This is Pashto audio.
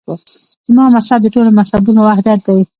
زما مذهب د ټولو مذهبونو وحدت دی.